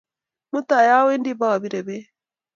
Mutai awendi paapire peek.